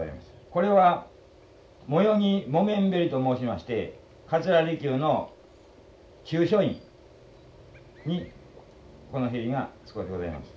これは萠黄木綿縁と申しまして桂離宮の中書院にこの縁が使うてございます。